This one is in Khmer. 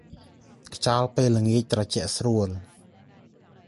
ខ្យល់ពេលល្ងាចត្រជាក់ស្រួល។